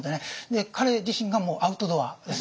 で彼自身がもうアウトドアです。